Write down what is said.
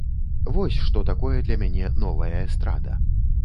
Вось што такое для мяне новая эстрада.